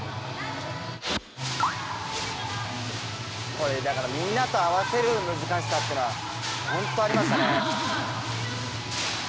これだからみんなと合わせる難しさってのはほんとありましたね。